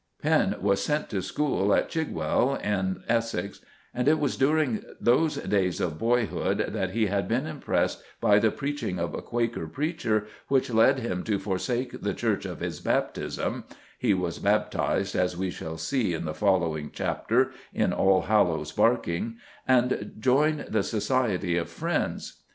Penn was sent to school at Chigwell, in Essex, and it was during those days of boyhood that he had been impressed by the preaching of a Quaker preacher which led him to forsake the Church of his baptism (he was baptized, as we shall see in the following chapter, in Allhallows Barking), and join the Society of Friends.